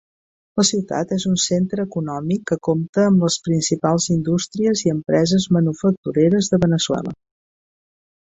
La ciutat és un centre econòmic que compta amb les principals indústries i empreses manufactureres de Veneçuela.